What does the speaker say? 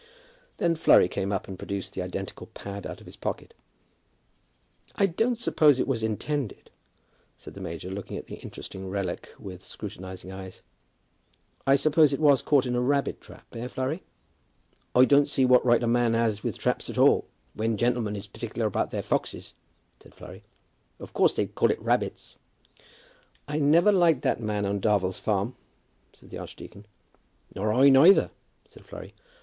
Then Flurry came up, and produced the identical pad out of his pocket. "I don't suppose it was intended," said the major, looking at the interesting relic with scrutinizing eyes. "I suppose it was caught in a rabbit trap, eh, Flurry?" "I don't see what right a man has with traps at all, when gentlemen is particular about their foxes," said Flurry. "Of course they'd call it rabbits." "I never liked that man on Darvell's farm," said the archdeacon. "Nor I either," said Flurry.